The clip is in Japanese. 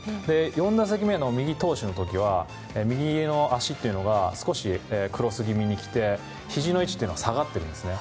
４打席目の右投手の時は右の足が少しクロスぎみに来てひじの位置が下がっているんですね。